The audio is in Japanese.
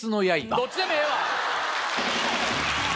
どっちでもええわ！